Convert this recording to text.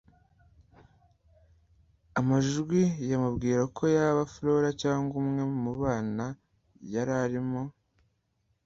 amajwi yamubwira ko yaba flora cyangwa umwe mubana yari arimo